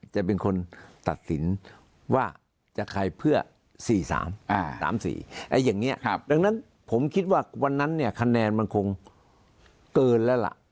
จะเป็นคนตัดสินว่าจะใครเพื่อ๔๓๓๔อย่างนี้ดังนั้นผมคิดว่าวันนั้นเนี่ยคะแนนมันคงเกินแล้วล่ะ